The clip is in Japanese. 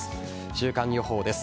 週間予報です。